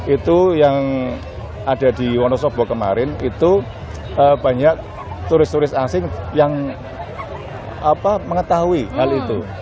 itu yang ada di wonosobo kemarin itu banyak turis turis asing yang mengetahui hal itu